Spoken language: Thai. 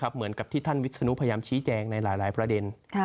เหมือนกับที่ท่านวิศนุพยายามชี้แจงในหลายประเด็น